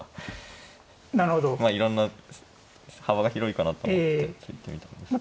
まあいろんな幅が広いかなと思って突いてみたんですけど。